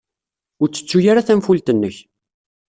Ur ttettu ara tanfult-nnek.